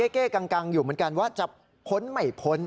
เก้กังอยู่เหมือนกันว่าจะพ้นไม่พ้น